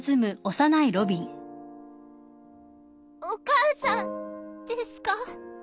お母さんですか？